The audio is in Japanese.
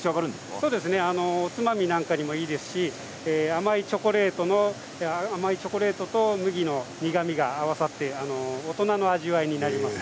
おつまみなんかにもいいですし甘いチョコレートと麦の苦みが合わさって大人の味わいになります。